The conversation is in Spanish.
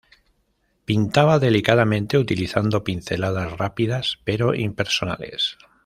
Pintaba delicadamente, utilizando pinceladas rápidas pero impersonales.